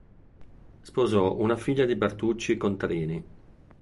Sposò una figlia di Bertucci Contarini.